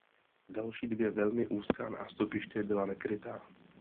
Další dvě velmi úzká nástupiště byla nekrytá.